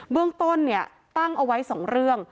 เรื่องต้นตั้งเอาไว้๒เรื่อง